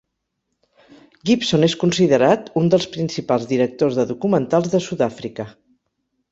Gibson és considerat un dels principals directors de documentals de Sud-àfrica.